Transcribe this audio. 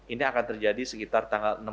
ini akan terjadi sekitar tanggal